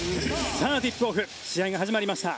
ティップオフ試合が始まりました。